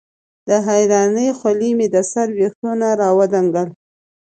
د حېرانۍ خولې مې د سر وېښتو نه راودنګل